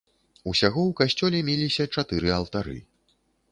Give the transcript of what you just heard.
Усяго ў касцёле меліся чатыры алтары.